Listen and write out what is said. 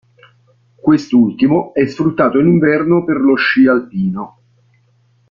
Quest'ultimo è sfruttato in inverno per lo sci alpino.